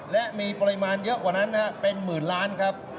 และมีปริมาณเยอะกว่านั้นเป็นหมื่นล้านครับ